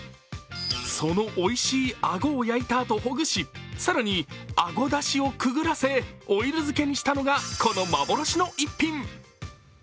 そのおいしいあごを焼いたあとほぐし、更にあごだしをくぐらせ、オイル漬けにしたのがこの幻の逸品。